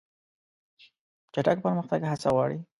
چټک پرمختګ هڅه غواړي.